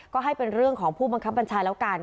ก็ให้เป็นเรื่องของผู้บังคับบัญชาแล้วกัน